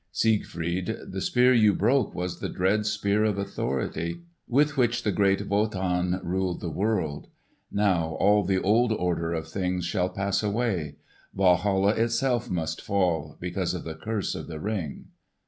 Siegfried, the spear you broke was the dread Spear of Authority with which great Wotan ruled the world. Now, all the old order of things shall pass away. Walhalla itself must fall, because of the curse of the Ring."